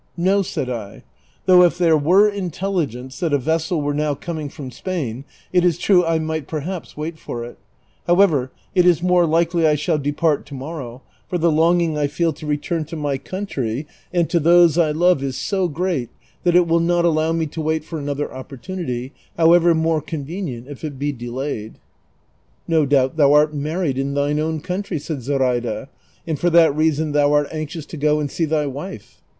" No," said I ;" though if there were intelligence that a vessel were now coming from Spain it is true I might, perhaps, wait for it; how ever, it is more likely I shall depart to morrow, for the longing I feel to return to my country and to tliose I love is so great that it will not allow me to wait for another opportunity, however more convenient, if it be delayed." " No doubt thou art married in thine own country," said Zoraida, " and for that reason thou art anxious to go and see thy wife."